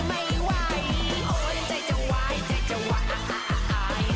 เรื่อยมีเงินวันตามหลาย